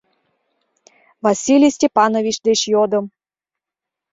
— Василий Степанович деч йодым.